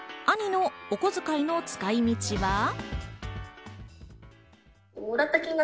兄のお小遣いの使い道は。